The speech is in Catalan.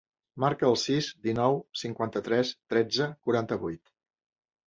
Marca el sis, dinou, cinquanta-tres, tretze, quaranta-vuit.